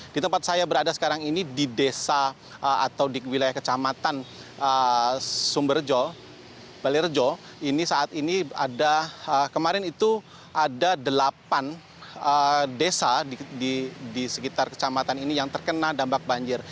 di tempat saya berada sekarang ini di desa atau di wilayah kecamatan sumberjo ini saat ini ada kemarin itu ada delapan desa di sekitar kecamatan ini yang terkena dampak banjir